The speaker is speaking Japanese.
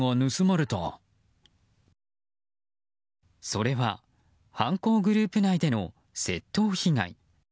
それは犯行グループ内での窃盗被害。